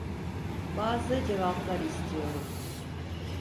Bazı cevaplar istiyorum.